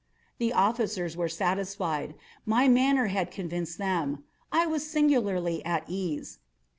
The officers were satisfied. My manner had convinced them. I was singularly at ease.